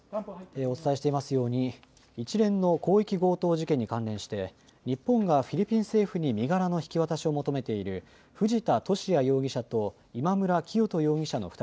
お伝えしていますように一連の広域強盗事件に関連して日本がフィリピン政府に身柄の引き渡しを求めている藤田聖也容疑者と今村磨人